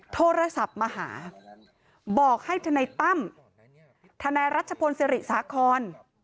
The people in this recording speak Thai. โทรศัพท์มาหาบอกให้ทนายตั้มทนายรัชพลศิริสาคร